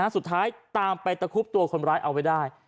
สุดท้ายตามไปตะคุบตัวคนร้ายเอาไว้ได้